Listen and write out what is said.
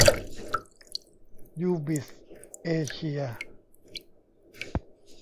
ยูบิส เอเชีย